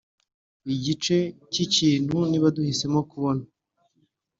igice c'ikintu niba duhisemo kubona